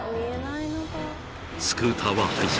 ［スクーターは廃車。